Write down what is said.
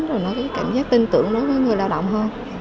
rồi nó cái cảm giác tin tưởng đối với người lao động hơn